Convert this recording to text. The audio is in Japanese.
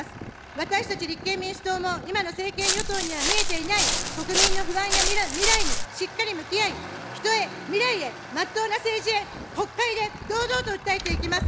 私たち立憲民主党も、今の政権与党には見えていない、国民の不安や未来にしっかり向き合い、人へ未来へまっとうな政治へ、国会で堂々と訴えていきます。